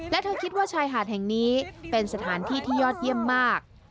และเธอคิดว่าชายหาดแห่งนี้เป็นสถานที่ที่ยอดเยี่ยมมาก